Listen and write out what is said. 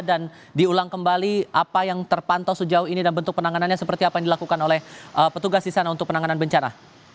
dan diulang kembali apa yang terpantau sejauh ini dan bentuk penanganannya seperti apa yang dilakukan oleh petugas di sana untuk penanganan bencana